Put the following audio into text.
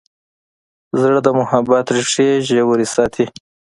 زړه د محبت ریښې ژورې ساتي.